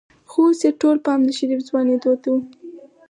خو اوس يې ټول پام د شريف ځوانېدو ته و.